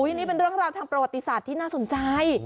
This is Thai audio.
นี่เป็นเรื่องราวทางประวัติศาสตร์ที่น่าสนใจ